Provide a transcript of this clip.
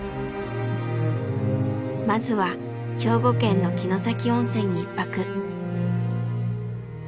まずは兵庫県の城崎温泉に一泊。